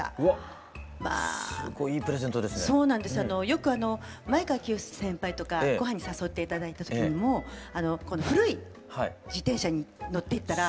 よく前川清先輩とかごはんに誘って頂いた時にも古い自転車に乗っていったら。